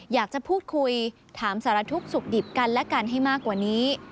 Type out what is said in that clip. อยากจะพูดคุยถามสารทุกข์สุขดิบกันและกันให้มากกว่านี้